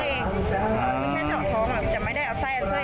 แค่เจาะท้องแหละแต่ไม่ได้เอาไส้ออกมา